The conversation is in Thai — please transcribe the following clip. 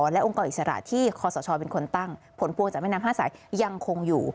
และองค์กรอิสระที่คอสชเป็นคนตั้งผลพวงจากแม่น้ำห้าสายยังคงอยู่